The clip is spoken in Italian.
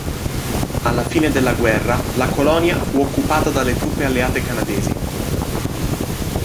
Alla fine della guerra la colonia fu occupata dalle truppe alleate canadesi.